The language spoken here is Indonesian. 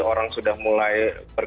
orang sudah mulai berkembang